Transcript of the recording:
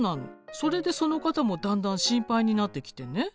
それでその方もだんだん心配になってきてね